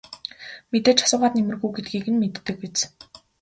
Мэдээж асуугаад нэмэргүй гэдгийг нь мэддэг биз.